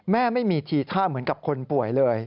แม่ไม่มีทีท่าเหมือนกับคนป่วยเลย